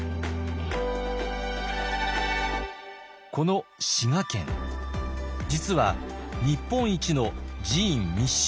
この滋賀県実は日本一の寺院密集地帯。